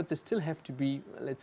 tetapi masih harus